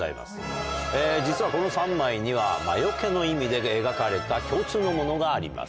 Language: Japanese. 実はこの３枚には魔除けの意味で描かれた共通のものがあります